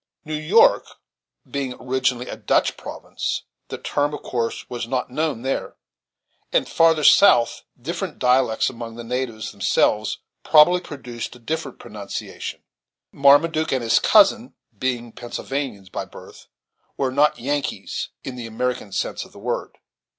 New York being originally a Dutch province, the term of course was not known there, and Farther south different dialects among the natives themselves probably produced a different pronunciation Marmaduke and his cousin, being Pennsylvanians by birth, were not Yankees in the American sense of the word.